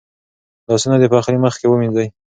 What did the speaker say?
لاسونه د پخلي مخکې ومینځئ.